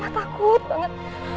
papa takut banget